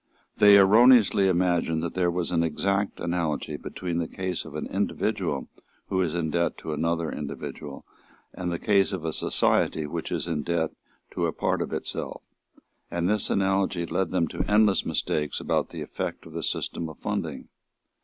They erroneously imagined that there was an exact analogy between the case of an individual who is in debt to another individual and the case of a society which is in debt to a part of itself; and this analogy led them into endless mistakes about the effect of the system of funding.